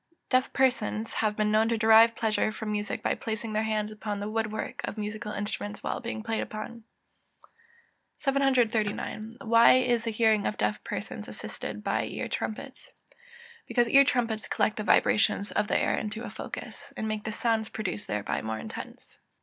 EZEKIEL VII.] Deaf persons have been known to derive pleasure from music by placing their hands upon the wood work of musical instruments while being played upon. 739. Why is the hearing of deaf persons assisted by ear trumpets? Because ear trumpets collect the vibrations of the air into a focus, and make the sounds produced thereby more intense.